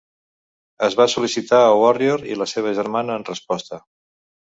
Es va sol·licitar a "Warrior" i la seva germana en resposta.